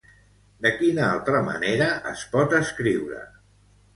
De quina altra manera es pot escriure?